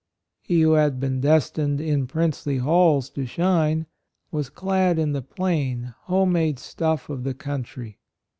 He who had been des tined "in princely halls to shine," was clad in the plain home made stuff of the country.